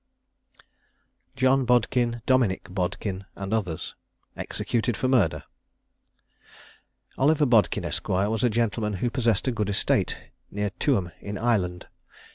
JOHN BODKIN, DOMINICK BODKIN, AND OTHERS. EXECUTED FOR MURDER. Oliver Bodkin, Esq. was a gentleman who possessed a good estate near Tuam, in Ireland.